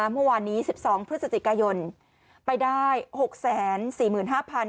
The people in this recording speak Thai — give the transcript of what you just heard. เมื่อวานนี้สิบสองพฤศจิกายนไปได้หกแสนสี่หมื่นห้าพัน